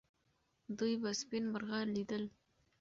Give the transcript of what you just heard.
دوی به سپین مرغان لیدل.